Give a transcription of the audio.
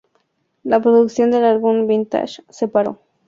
La producción del álbum "Vintage" se paró.